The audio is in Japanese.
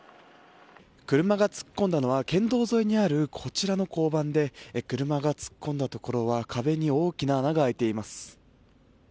車が突っ込んだのは県道沿いにあるこちらの交番で車が突っ込んだところは壁に大きな穴が開いています。